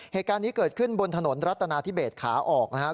เหตุการณ์นี้เกิดขึ้นบนถนนรัฐนาธิเบสขาออกนะครับ